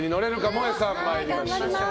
もえさん、参りましょう。